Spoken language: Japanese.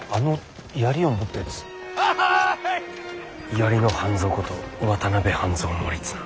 槍の半蔵こと渡辺半蔵守綱。